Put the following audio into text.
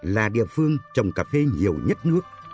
là địa phương trồng cà phê nhiều nhất nước